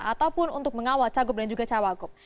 ataupun untuk mengawal cagup dan juga cawagup